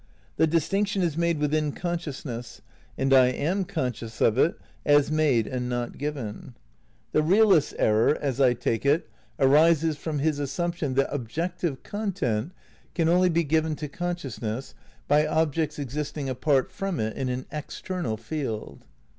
The distinction is made within consciousness, and I am conscious of it as made and not given. The realist's error, as I take it, 282 THE NEW IDEALISM ix arises from his assTimption that objective content can only be given to consciousness by objects existing apart from it in an external field.